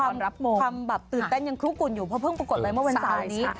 โอ้โหความตื่นเต้นยังคลุกกุ่นอยู่เพราะเพิ่งปรากฏเลยว่าเป็นสาวนี้